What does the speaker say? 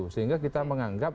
sehingga kita menganggap